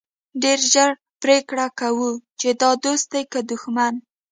ډېر ژر پرېکړه کوو چې دا دوست دی که دښمن.